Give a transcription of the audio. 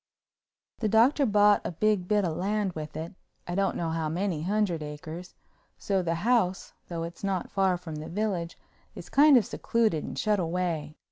The Doctor bought a big bit of land with it—I don't know how many hundred acres—so the house, though it's not far from the village, is kind of secluded and shut away.